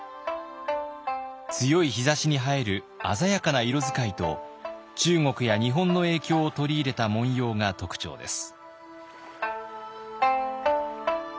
強い日ざしに映える鮮やかな色使いと中国や日本の影響を取り入れた紋様が特徴です。